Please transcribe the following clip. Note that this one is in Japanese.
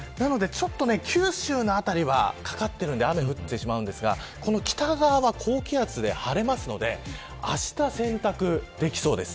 九州の辺りはかかっているので雨が降りますが北側は高気圧で晴れますからあしたは洗濯ができそうです。